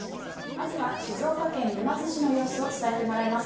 まずは静岡県沼津市の様子を伝えてもらいます。